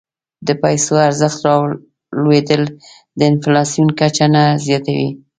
د پیسو ارزښت رالوېدل د انفلاسیون کچه نه زیاتوي.